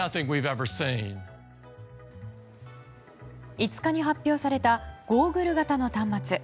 ５日に発表されたゴーグル型の端末。